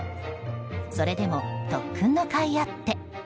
それでも特訓のかいあって。